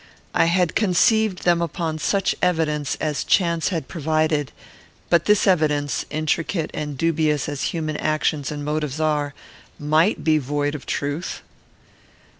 I had conceived them upon such evidence as chance had provided; but this evidence, intricate and dubious as human actions and motives are, might be void of truth.